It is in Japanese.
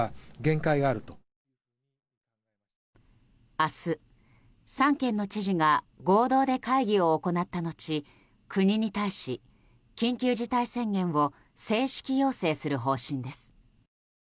明日、３県の知事が合同で会議を行ったのち国に対し緊急事態宣言を正式要請する方針です。